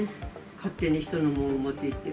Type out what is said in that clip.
勝手に人のもん持っていって。